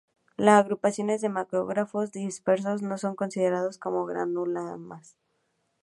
Las agrupaciones de macrófagos dispersos no son considerados como granulomas.